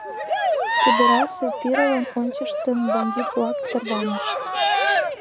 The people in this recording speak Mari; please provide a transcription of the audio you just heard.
Чодырасе пирыла ончыштын, бандит-влак тарванышт.